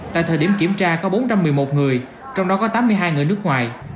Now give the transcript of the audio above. tại thời điểm kiểm tra có bốn trăm một mươi một người trong đó có tám mươi hai người nước ngoài